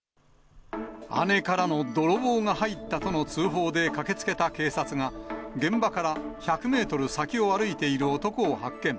姉からの泥棒が入ったとの通報で駆けつけた警察が、現場から１００メートル先を歩いている男を発見。